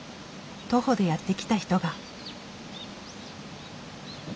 徒歩でやって来た人が。